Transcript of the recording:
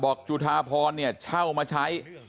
จุธาพรเนี่ยเช่ามาใช้